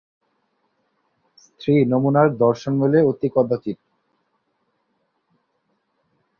স্ত্রী নমুনার দর্শন মেলে অতি কদাচিৎ।